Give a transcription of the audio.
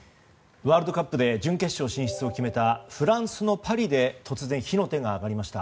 ワールドカップで準決勝進出を決めたフランスのパリで突然、火の手が上がりました。